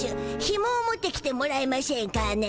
ひもを持ってきてもらえましぇんかね？